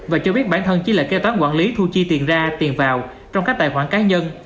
và cho biết bản thân chỉ là kế toán quản lý thu chi tiền ra tiền vào trong các tài khoản cá nhân